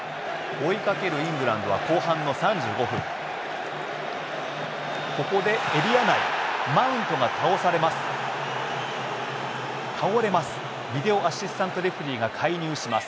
追いかけるイングランドは後半の３５分ここでエリア内マウントが倒されます。